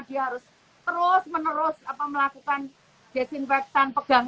dia harus terus menerus melakukan desinfeksi